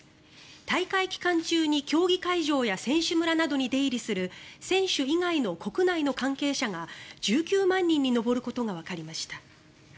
大会期間中に競技会場や選手村などに出入りする選手以外の国内の関係者が１９万人に上ることがわかりました。